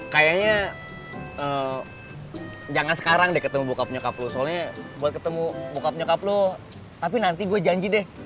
kayaknya jangan sekarang deh ketemu bokap nyokap lo soalnya buat ketemu bokap nyokap lo tapi nanti gue janji deh